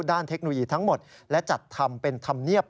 เทคโนโลยีทั้งหมดและจัดทำเป็นธรรมเนียบ